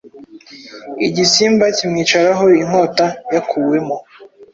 Igisimba kimwicaraho inkota yakuwemo